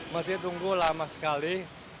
masih tunggu lama sekali